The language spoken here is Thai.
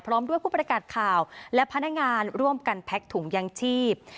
พร้อมด้วยผู้ประกาศข่าวและพนักงานร่วมกันแพ็กถุงยางชีพ